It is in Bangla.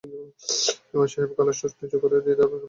ইমাম সাহেব গলার স্বর নিচু করে বললেন, দিপার মাথা পুরাপুরি ঠিক না।